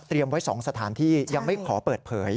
ไว้๒สถานที่ยังไม่ขอเปิดเผย